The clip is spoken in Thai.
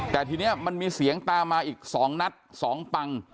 แต่ทีนี้มันมีเสียงตามมาอีก๒นัด๒ปัง